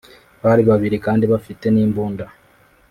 Bari babiri kandi bafite n’imbunda